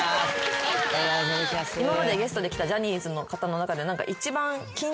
今までゲストで来たジャニーズの方の中で。